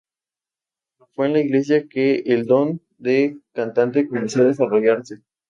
Pero fue en la iglesia que el don de cantante comenzó a desarrollarse.